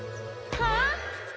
はあ？